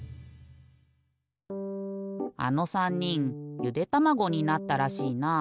あの３にんゆでたまごになったらしいな。